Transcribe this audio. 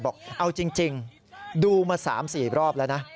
บอกเอาจริงดูมา๓๔รอบแล้วนะ